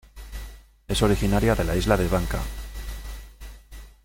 Es originaria de la isla de Bangka.